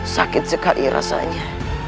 sakit sekali rasanya